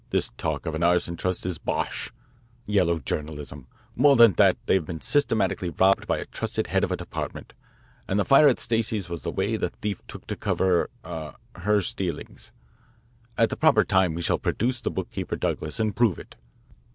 This talk of an arson trust is bosh yellow journalism. More than that, we have been systematically robbed by a trusted head of a department, and the fire at Stacey's was the way the thief took to cover er her stealings. At the proper time we shall produce the bookkeeper Douglas and prove it.